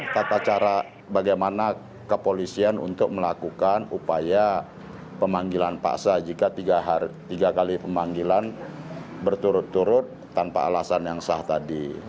tata cara bagaimana kepolisian untuk melakukan upaya pemanggilan paksa jika tiga kali pemanggilan berturut turut tanpa alasan yang sah tadi